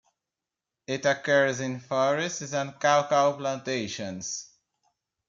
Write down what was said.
It occurs in forests and cocoa plantations.